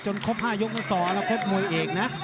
ครบ๕ยกเมื่อ๒แล้วครบมวยเอกนะ